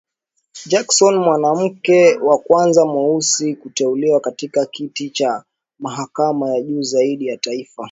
Jackson mwanamke wa kwanza mweusi kuteuliwa katika kiti cha mahakama ya juu zaidi ya taifa